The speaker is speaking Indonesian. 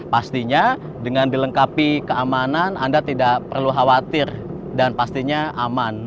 pastinya dengan dilengkapi keamanan anda tidak perlu khawatir dan pastinya aman